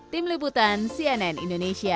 tim liputan cnn indonesia